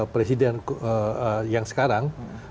presiden yang sekarang